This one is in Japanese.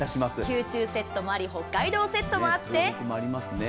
九州セットもあり北海道セットもあって。